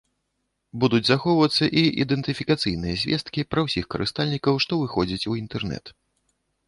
Будуць захоўвацца і ідэнтыфікацыйныя звесткі пра ўсіх карыстальнікаў, што выходзяць у інтэрнэт.